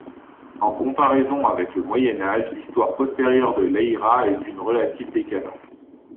En comparaison avec le Moyen Âge, l'histoire postérieure de Leiria est d'une relative décadence.